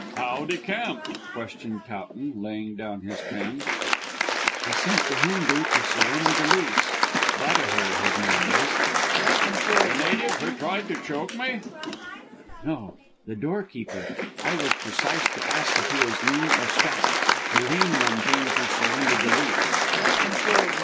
"How decamped?" questioned Towton, laying down his pen. "She sent the Hindoo to surrender the lease. Bahadur his name is." "The native who tried to choke me?" "No; the doorkeeper. I was precise to ask if he was lean or stout. The lean one came to surrender the lease."